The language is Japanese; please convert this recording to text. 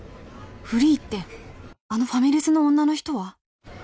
フリーってあのファミレスの女の人は？